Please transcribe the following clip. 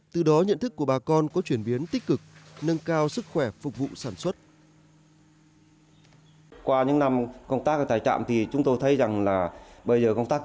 từ đó nhận thức của bà con có chuyển biến tích cực nâng cao sức khỏe phục vụ sản xuất